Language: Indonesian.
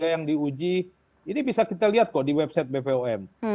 yang diuji ini bisa kita lihat kok di website bpom